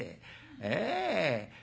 ええ？